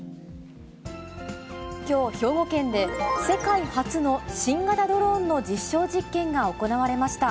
きょう、兵庫県で世界初の新型ドローンの実証実験が行われました。